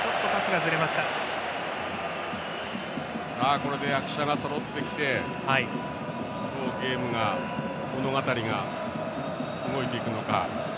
これで役者がそろってきてどうゲームが、どう物語が動いていくのか。